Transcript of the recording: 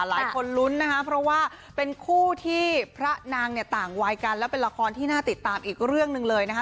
หลายคนลุ้นนะคะเพราะว่าเป็นคู่ที่พระนางเนี่ยต่างวัยกันแล้วเป็นละครที่น่าติดตามอีกเรื่องหนึ่งเลยนะคะ